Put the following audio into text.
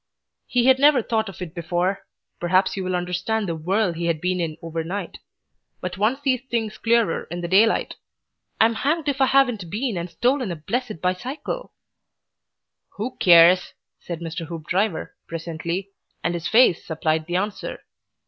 He had never thought of it before. Perhaps you will understand the whirl he had been in overnight. But one sees things clearer in the daylight. "I'm hanged if I haven't been and stolen a blessed bicycle." "Who cares?" said Mr. Hoopdriver, presently, and his face supplied the answer.